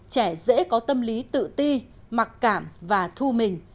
trẻ dễ có tâm lý tự ti mặc cảm và thu mình